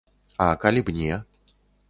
А калі б не?